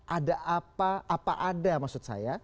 ada apa apa ada maksud saya